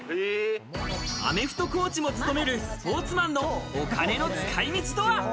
アメフトコーチも務めるスポーツマンのお金の使い道とは？